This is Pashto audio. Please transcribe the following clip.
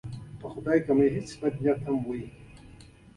خدای راستي که ما بد نیت درلود.